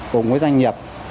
cùng với doanh nghiệp